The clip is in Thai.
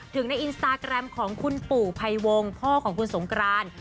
ในอินสตาแกรมของคุณปู่ภัยวงพ่อของคุณสงกราน